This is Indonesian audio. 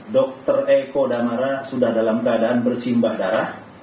dr eko damara sudah dalam keadaan bersimbah darah